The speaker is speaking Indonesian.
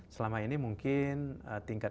selama ini mungkin tingkat